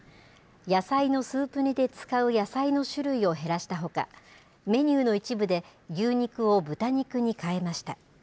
野菜のスープ煮で使う野菜の種類を減らしたほか、メニューの一部で、牛肉を豚肉に変えました。